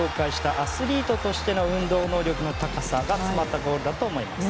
以前紹介したアスリートとしての運動能力の高さが詰まったゴールだと思います。